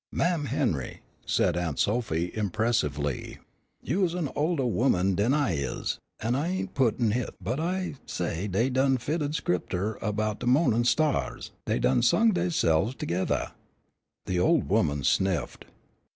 "Mam' Henry," said Aunt Sophy, impressively, "you's a' oldah ooman den I is, an' I ain' sputin' hit; but I say dey done 'filled Scripter 'bout de mo'nin' stahs; dey's done sung deyse'ves togeddah." The old woman sniffed.